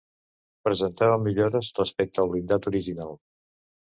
Presentava millores respecte al blindat original.